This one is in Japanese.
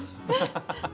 ハハハハ。